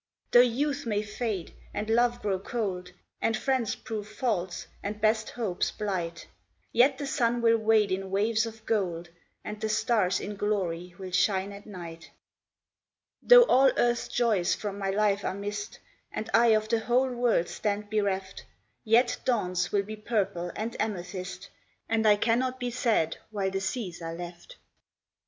Though youth may fade, and love grow cold, And friends prove false, and best hopes blight, Yet the sun will wade in waves of gold, And the stars in glory will shine at night. Though all earth's joys from my life are missed, And I of the whole world stand bereft, Yet dawns will be purple and amethyst, And I cannot be sad while the seas are left.